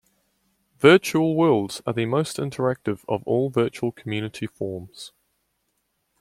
Virtual worlds are the most interactive of all virtual community forms.